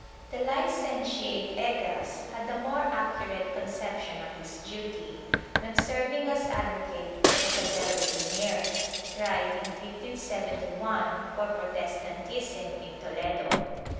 The Licentiate Egas had a more accurate conception of his duty, when serving as advocate for Isabel Reynier, tried, in 1571, for Protestantism in Toledo.